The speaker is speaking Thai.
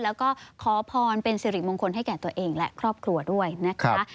แล้วก็ขอพรเป็นสิริมงคลให้แก่ตัวเองและครอบครัวด้วยนะคะ